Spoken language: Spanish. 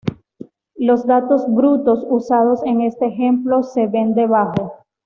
Los datos brutos usados en este ejemplo se ven debajo.